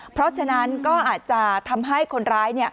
เพราะฉะนั้นก็อาจจะทำให้คนร้าย